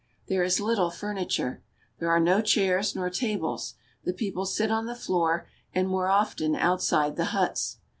There is little furniture. There are no chairs nor tables. The people sit on the floor and more often outside the huts.